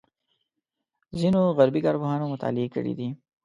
ځینو غربي کارپوهانو مطالعې کړې دي.